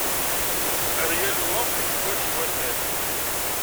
Err yal awal deg tekwat iwatan.